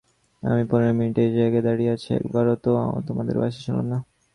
আমি পনেরো মিনিট এই জায়গায় দাঁড়িয়ে আছি, একবারও তো তোমাদের বাঁশি শুনলাম না।